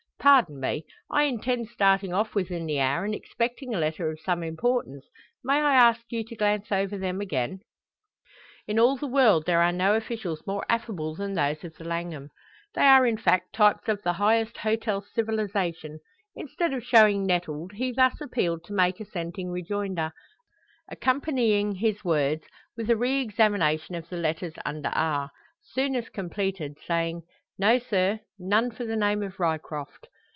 Pardon me. I intend starting off within the hour, and expecting a letter of some importance, may I ask you to glance over them again?" In all the world there are no officials more affable than those of the Langham. They are in fact types of the highest hotel civilisation. Instead of showing nettled, he thus appealed to makes assenting rejoinder, accompanying his words with a re examination of the letters under R; soon as completed saying, "No, sir; none for the name of Ryecroft."